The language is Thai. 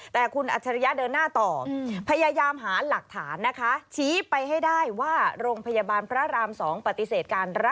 แต่คุณอัจฉริยะเดินหน้าต่อพยายามหาหลักฐานนะคะ